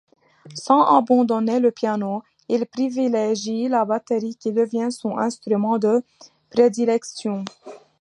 Sans abandonner le piano, il privilégie la batterie qui devient son instrument de prédilection.